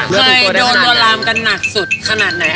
กลอนร้านกันนักสุดขนาดไหน